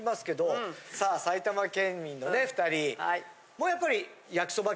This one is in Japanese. もうやっぱり。